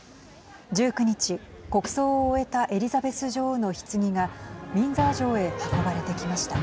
１９日、国葬を終えたエリザベス女王のひつぎがウィンザー城へ運ばれてきました。